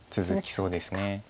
続きそうです。